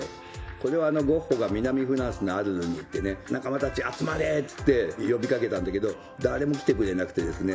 これはゴッホが南フランスのアルルに行ってね「仲間たち集まれ」っつって呼びかけたんだけど誰も来てくれなくてですね